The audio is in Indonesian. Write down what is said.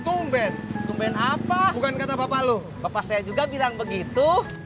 tumben tumben apa bukan kata bapak loh bapak saya juga bilang begitu